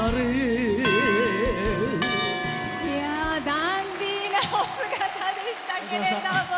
ダンディーなお姿でしたけれども。